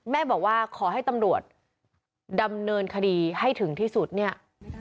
แม่บอกว่าขอให้ตำรวจดำเนินคดีให้ถึงที่สุดเนี่ย